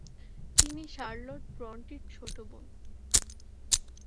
তিনি শার্লট ব্রন্টির ছোটো বোন।